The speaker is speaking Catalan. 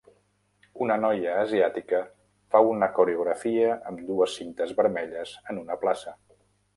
Una noia asiàtica fa una coreografia amb dues cintes vermelles en una plaça.